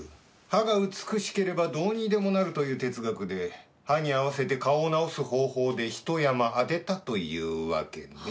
歯が美しければどうにでもなるという哲学で歯に合わせて顔を直す方法でひと山当てたというわけね。